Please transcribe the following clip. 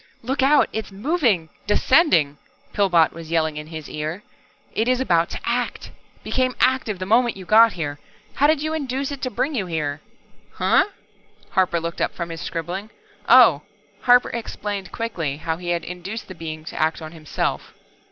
"Look out, It's moving, descending!" Pillbot was yelling into his ear. "It is about to act. Became active the moment you got here. How did you induce it to bring you here?" "Huh?" Harper looked up from his scribbling. "Oh." Harper explained quickly how he had induced the Being to act on himself.